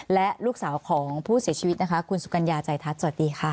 และลูกสาวของผู้เสียชีวิตนะคะคุณสุกัญญาใจทัศน์สวัสดีค่ะ